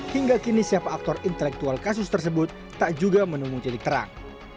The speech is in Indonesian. hingga kini siapa aktor intelektual kasus tersebut tak juga menemui jelik terang